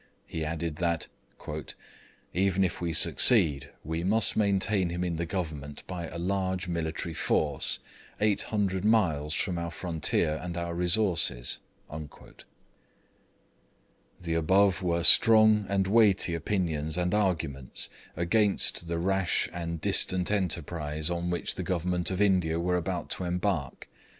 He added, that 'even if we succeed we must maintain him in the government by a large military force, 800 miles from our frontier and our resources.' The above were strong and weighty opinions and arguments against the rash and distant enterprise on which the Government of India were about to embark.